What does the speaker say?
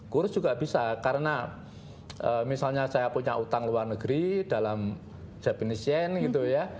kurus juga bisa karena misalnya saya punya utang luar negeri dalam definisian gitu ya